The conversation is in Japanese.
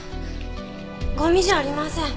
ゴミじゃありません。